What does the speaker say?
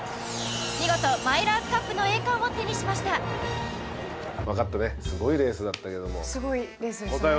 見事マイラーズカップの栄光を手にしました分かったねすごいレースだったけどもすごいレースでしたね